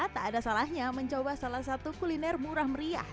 tak ada salahnya mencoba salah satu kuliner murah meriah